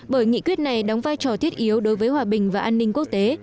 bởi nghị quyết này đóng vai trò thiết yếu đối với hòa bình và an ninh quốc tế